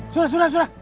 sudah sudah sudah